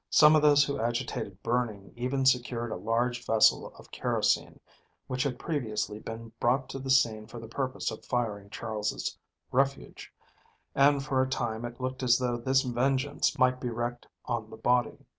Some of those who agitated burning even secured a large vessel of kerosene, which had previously been brought to the scene for the purpose of firing Charles's refuge, and for a time it looked as though this vengeance might be wreaked on the body.